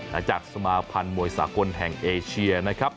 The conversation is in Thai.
จากสมาพันธ์มวยสากลแห่งเอเชียนะครับ